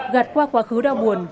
gạt qua quá khứ đau buồn